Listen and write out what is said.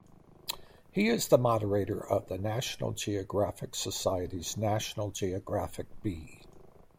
He is the moderator of the National Geographic Society's National Geographic Bee.